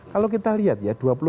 kalau kita lihat ya